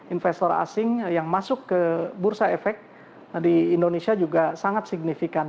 investor asing yang masuk ke bursa efek di indonesia juga sangat signifikan